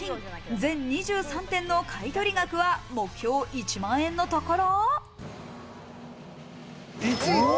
全２３点の買取額は、目標１万円のところ。